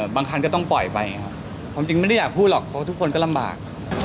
บางคันก็ต้องปล่อยไปครับความจริงไม่ได้อยากพูดหรอกเพราะทุกคนก็ลำบาก